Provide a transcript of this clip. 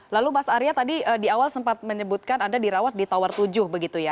lalu mas arya tadi di awal sempat menyebutkan anda dirawat di tower tujuh begitu ya